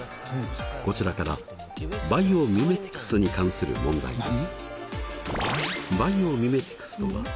こちらからバイオミメティクスに関する問題です。